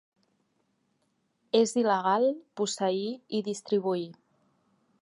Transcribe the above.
És il·legal posseir i distribuir.